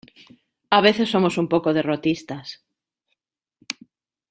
A veces somos un poco derrotistas.